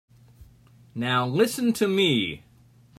Now listen to me.